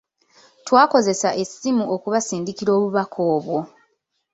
Twakozesa essimu okubasindikira obubaka obwo.